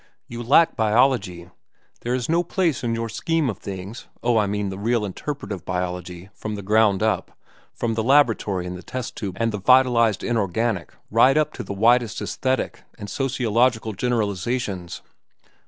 "You lack biology. It has no place in your scheme of things.—Oh, I mean the real interpretative biology, from the ground up, from the laboratory and the test tube and the vitalized inorganic right on up to the widest aesthetic and sociological generalizations."